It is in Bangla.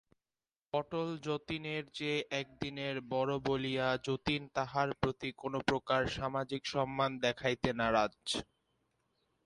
পটল যতীনের চেয়ে একদিনের বড়ো বলিয়া যতীন তাহার প্রতি কোনোপ্রকার সামাজিক সম্মান দেখাইতে নারাজ।